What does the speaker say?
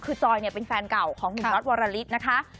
คือจอยเนี่ยเป็นแฟนเก่าของหนุ่มน็อตวรลิศนะคะ